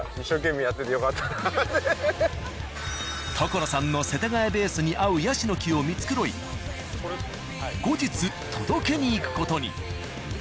所さんの世田谷ベースに合うヤシの木を見繕い後日届けに行く事に。